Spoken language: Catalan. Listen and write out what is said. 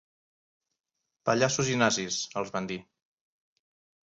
Pallassos’ i ‘nazis’, els van dir.